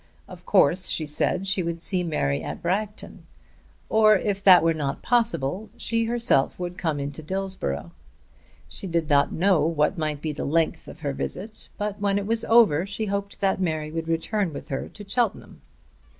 Of course, she said, she would see Mary at Bragton; or if that were not possible, she herself would come into Dillsborough. She did not know what might be the length of her visit, but when it was over she hoped that Mary would return with her to Cheltenham.